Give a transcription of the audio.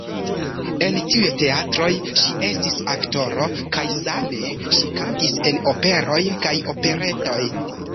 En tiuj teatroj ŝi estis aktoro kaj same ŝi kantis en operoj kaj operetoj.